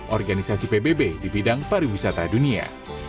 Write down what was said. organisasi pbb di bidang pariwisata dunia